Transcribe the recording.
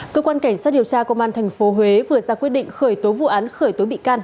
cơ quan cảnh sát điều tra công an tp huế vừa ra quyết định khởi tố vụ án khởi tố bị can